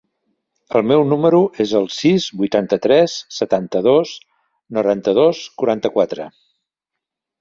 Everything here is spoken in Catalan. El meu número es el sis, vuitanta-tres, setanta-dos, noranta-dos, quaranta-quatre.